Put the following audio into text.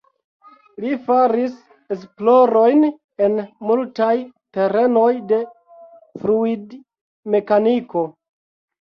Li faris esplorojn en multaj terenoj de fluidmekaniko.